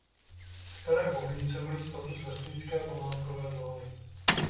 Staré Bohnice mají status vesnické památkové zóny.